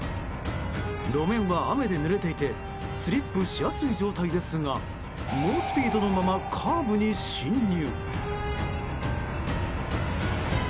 路面は雨でぬれていてスリップしやすい状態ですが猛スピードのままカーブに進入。